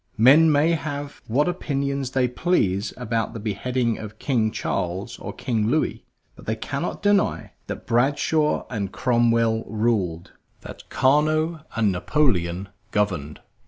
Men may have what opinions they please about the beheading of King Charles or King Louis, but they cannot deny that Bradshaw and Cromwell ruled, that Carnot and Napoleon governed.